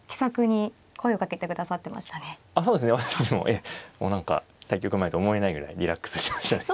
ええもう何か対局前とは思えないぐらいリラックスしてましたね。